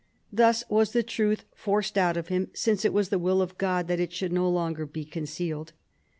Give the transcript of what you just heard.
Thus was the truth forced out of him, since it was the will of God that it should no longer be concealed.